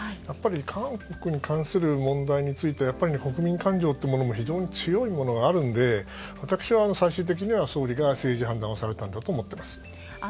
韓国に関する問題はやっぱり国民感情というのも非常に強いものがあるので私は最終的には総理が政治判断をされたんだと思っています。